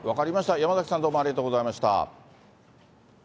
山崎さん、どうもありがとうございました。